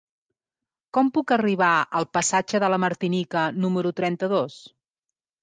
Com puc arribar al passatge de la Martinica número trenta-dos?